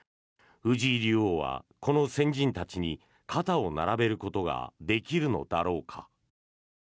藤井竜王はこの先人たちに肩を並べることができるのだろうか。